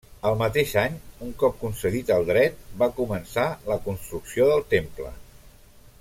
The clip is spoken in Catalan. Al mateix any, un cop concedit el dret, va començar la construcció del temple.